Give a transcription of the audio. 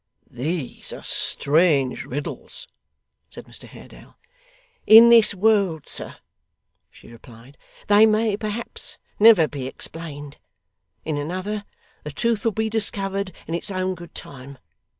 'These are strange riddles,' said Mr Haredale. 'In this world, sir,' she replied, 'they may, perhaps, never be explained. In another, the Truth will be discovered in its own good time.